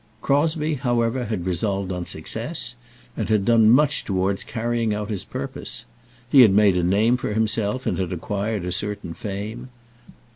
Crosbie, however, had resolved on success, and had done much towards carrying out his purpose. He had made a name for himself, and had acquired a certain fame.